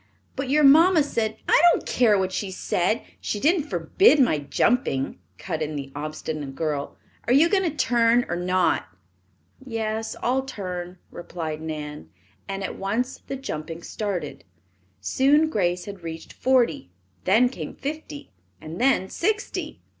But your mamma said " "I don't care what she said. She didn't forbid my jumping," cut in the obstinate girl. "Are you going to turn or not?" "Yes, I'll turn," replied Nan, and at once the jumping started. Soon Grace had reached forty. Then came fifty, and then sixty.